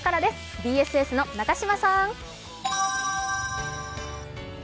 ＢＳＳの中島さん。